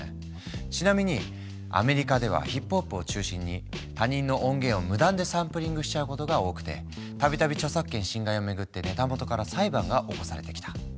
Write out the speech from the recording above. ちなみにアメリカではヒップホップを中心に他人の音源を無断でサンプリングしちゃうことが多くて度々著作権侵害を巡ってネタ元から裁判が起こされてきた。